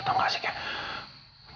tau gak sih